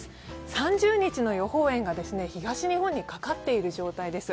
３０日の予報円が東日本にかかっている状態です。